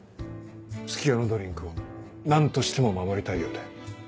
月夜野ドリンクを何としても守りたいようで。